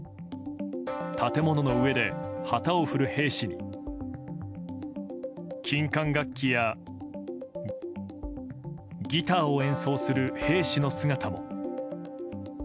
建物の上で旗を振る兵士に金管楽器やギターを演奏する兵士の姿も。